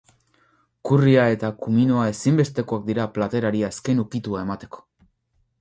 Currya eta kuminoa ezinbestekoak dira platerari azken ukitua emateko.